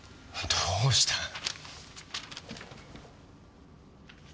どうした？